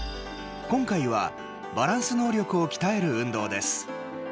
今回はバランス能力を鍛える運動です。